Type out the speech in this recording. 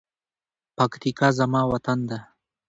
پکتیکا زما وطن ده.